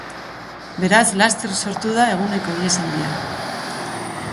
Beraz, laster sortu da eguneko ihesaldia.